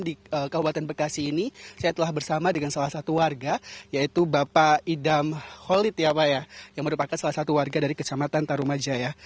di kabupaten bekasi ini saya telah bersama dengan salah satu warga yaitu bapak idam holid ya pak ya yang merupakan salah satu warga dari kecamatan tarumajaya